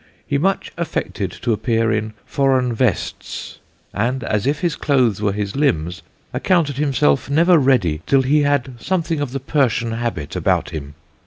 He much affected to appear in forreign Vestes; and, as if his Clothes were his limbs, accounted himself never ready till he had something of the Persian Habit about him.